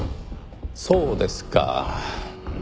そうですか。